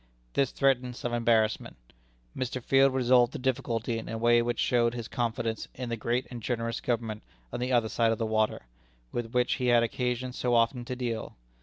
This threatened some embarrassment. Mr. Field resolved the difficulty in a way which showed his confidence in the great and generous Government on the other side of the water, with which he had occasion so often to deal.